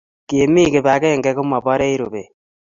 kemi kip akeng'eng'e ko maparech rubet